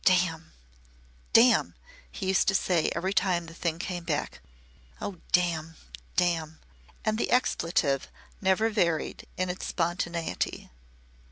"Damn! Damn!" he used to say every time the thing came back. "Oh! damn! damn!" And the expletive never varied in its spontaneity.